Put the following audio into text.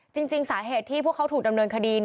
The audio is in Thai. จริงสาเหตุที่พวกเขาถูกดำเนินคดี